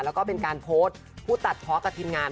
แล้วก็เป็นการโพสต์ผู้ตัดเพาะกับทีมงาน